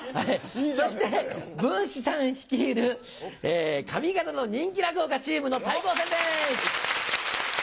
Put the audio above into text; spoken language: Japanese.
そして文枝さん率いる上方の人気落語家チームの対抗戦です。